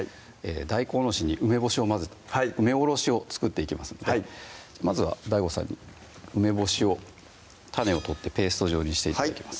大根おろしに梅干しを混ぜた梅おろしを作っていきますのでまずはＤＡＩＧＯさんに梅干しを種を取ってペースト状にして頂きます